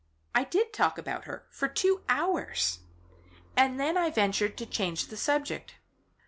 I did talk about her for two hours, and then I ventured to change the subject.